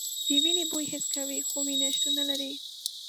د وینې بوی حس کوي خو وینه شتون نه لري.